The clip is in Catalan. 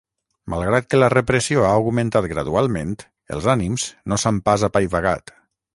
Malgrat que la repressió ha augmentat gradualment, els ànims no s’han pas apaivagat.